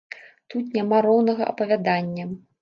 Тут няма роўнага апавядання.